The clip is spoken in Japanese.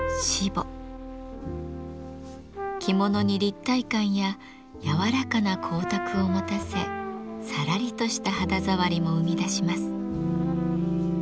着物に立体感や柔らかな光沢を持たせさらりとした肌触りも生み出します。